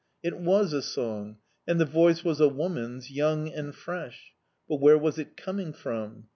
It was a song, and the voice was a woman's, young and fresh but, where was it coming from?...